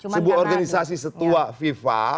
sebuah organisasi setua fifa